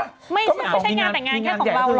ไม่ใช่ใช่งานแต่งงานข้างของเราหรอก